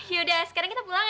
yaudah sekarang kita pulang ya